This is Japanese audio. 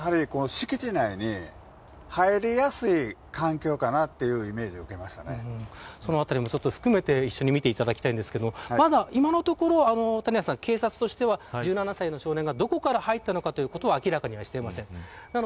やはり敷地内に入りやすい環境かなというそのあたりも含めて、一緒に見ていただきたいのですが今のところ警察としては１７歳の少年がどこから入ったのかは明らかにしていません。